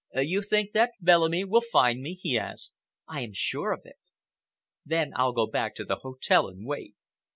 "You think that Bellamy will find me?" he asked. "I am sure of it." "Then I'll go back to the hotel and wait."